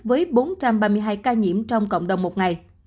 với bốn trăm ba mươi hai ca nhiễm trong cộng đồng một ngày